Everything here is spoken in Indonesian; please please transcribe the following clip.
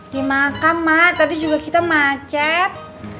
di makam mak tadi juga kita macet